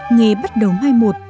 nghề bắt đầu mai một